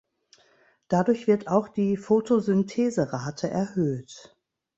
Dadurch wird auch die Photosyntheserate erhöht.